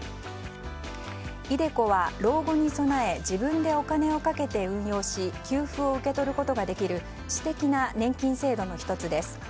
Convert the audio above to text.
ｉＤｅＣｏは老後に備え自分でお金をかけて運用し給付を受け取ることができる私的な年金制度の１つです。